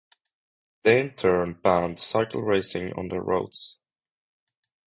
They in turn banned cycle-racing on their roads.